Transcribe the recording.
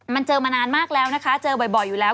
มันเจอมานานมากแล้วนะคะเจอบ่อยอยู่แล้ว